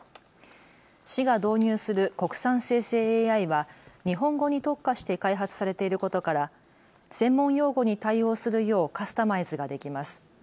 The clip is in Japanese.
市が導入する国産生成ＡＩは日本語に特化して開発されていることから専門用語に対応するようカスタマイズができます。